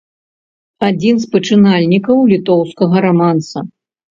Адзін з пачынальнікаў літоўскага раманса.